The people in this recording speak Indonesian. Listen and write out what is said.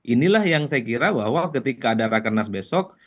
inilah yang saya kira bahwa ketika ada rakernas besok